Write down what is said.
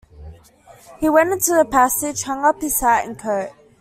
He went into the passage, hung up his hat and coat.